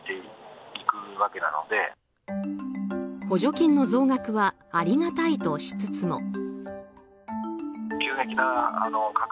補助金の増額はありがたいとしつつも。